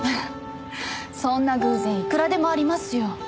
そんな偶然いくらでもありますよ。